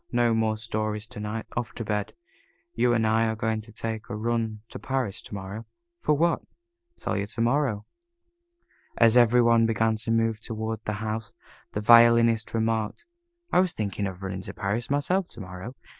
No more stories to night. Off to bed. You and I are going to take a run to Paris to morrow." "What for?" "Tell you to morrow." As every one began to move toward the house, the Violinist remarked, "I was thinking of running up to Paris myself to morrow.